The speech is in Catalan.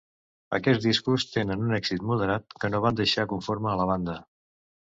Aquests discos tenen un èxit moderat que no van deixar conforme a la banda.